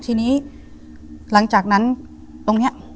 ทีนี้หลังจากนั้นตรงนี้